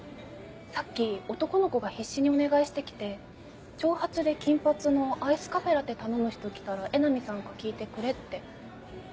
さっき男の子が必死にお願いしてきて長髪で金髪のアイスカフェラテ頼む人来たら江波さんか聞いてくれって。